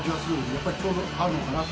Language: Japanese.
やっぱりちょうど合うのかなと。